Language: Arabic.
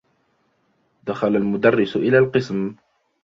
دخل المدرّس إلى القسم.